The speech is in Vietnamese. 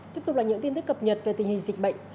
tiếp tục là những tin tức cập nhật về tình hình dịch bệnh